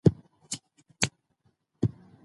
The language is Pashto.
د شاعر په کلام کې د عشق لمبې له ورایه ښکاري.